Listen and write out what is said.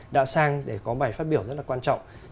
đã sang để có bài phát biểu rất là quan trọng